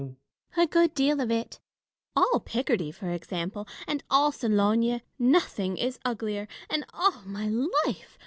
A good deal of it : all Picardy, for example, and all Sologne ; nothing is uglier — and, oh my life